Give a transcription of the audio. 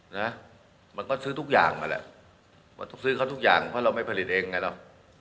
นะมันก็ซื้อทุกอย่างมาแหละว่าต้องซื้อเขาทุกอย่างเพราะเราไม่ผลิตเองไงหรอก